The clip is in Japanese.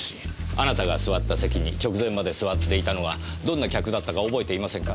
あなたが座った席に直前まで座っていたのはどんな客だったか覚えていませんか？